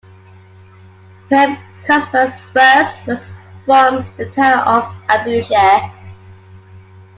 Pope Cosmas I was from the town of Abu-Sair.